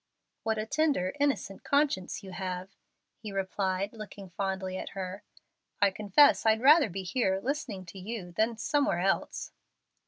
"What a tender, innocent conscience you have!" he replied, looking fondly at her. "I confess I'd rather be here listening to you than somewhere else."